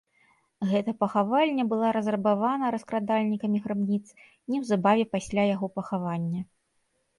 Гэта пахавальня была разрабавана раскрадальнікамі грабніц неўзабаве пасля яго пахавання.